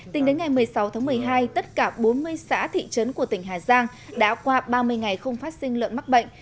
tính đến ngày một mươi sáu tháng một mươi hai tất cả bốn mươi xã thị trấn của tỉnh hà giang đã qua ba mươi ngày không phát sinh lợn mắc bệnh